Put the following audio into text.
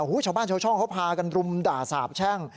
ชาวบ้านชาวช่องเขาพากันรุมด่าสาบแช่ง